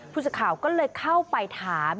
ผู้สื่อข่าวก็เลยเข้าไปถาม